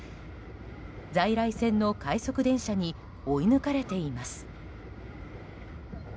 在来線の快速電車に追い抜かれています。